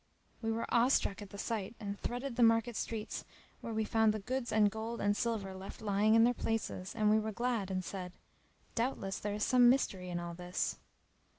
[FN#307] We were awe struck at the sight and threaded the market streets where we found the goods and gold and silver left lying in their places; and we were glad and said, "Doubtless there is some mystery in all this."